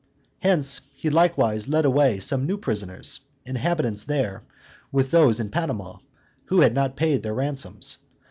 Hence he likewise led away some new prisoners, inhabitants there, with those in Panama, who had not paid their ransoms.